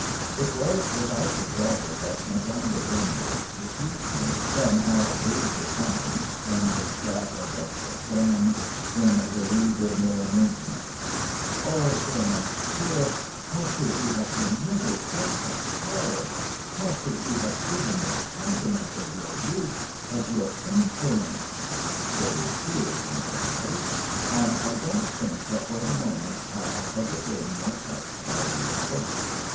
It was without her daughter that Madame de Brindes received me, when I obeyed her summons, in her scrap of a quatrihme in the Rue de Miromesnil. " Ah, cher mofisieur^ how could you have permitted such a horror — how could you have given it the countenance of your roof, of your influence ?'' There were tears in COLLABORATION 137 her eyes, and I don't think that for the moment I have ever been more touched by a reproach.